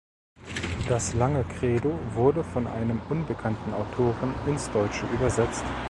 Das „lange Credo“ wurde von einem unbekannten Autoren ins Deutsche übersetzt.